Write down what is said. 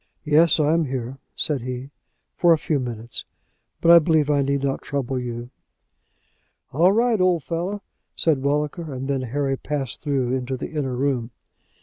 "Yes; I am here," said he, "for a few minutes; but I believe I need not trouble you." "All right, old fellow," said Walliker; and then Harry passed through into the inner room.